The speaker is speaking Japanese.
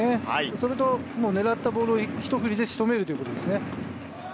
それと狙ったボールをひと振りで仕留めるということですね。